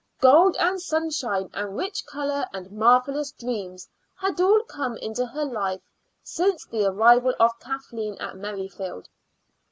Gold and sunshine and rich color and marvellous dreams had all come into her life since the arrival of Kathleen at Merrifield.